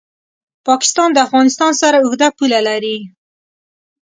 پاکستان د افغانستان سره اوږده پوله لري.